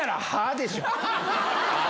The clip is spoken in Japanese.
でしょ。